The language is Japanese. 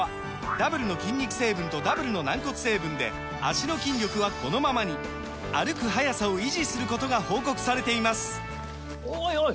ダブルの筋肉成分とダブルの軟骨成分で脚の筋力はこのままに歩く速さを維持することが報告されていますおいおい！